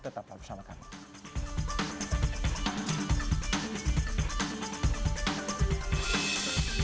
tetap bersama kami